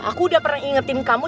aku udah pernah ingetin kamu